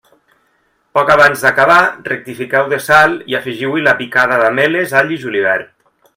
Poc abans d'acabar, rectifiqueu de sal i afegiu-hi la picada d'ametlles, all i julivert.